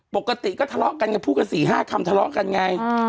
ปกติก็ทะเลาะกันไงพูดกัน๔๕คำทะเลาะกันไง